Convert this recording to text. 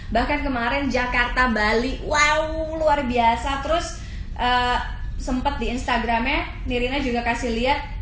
bahkan kemarin jakarta bali wow luar biasa terus sempat di instagramnya nirina juga kasih lihat